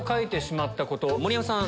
盛山さん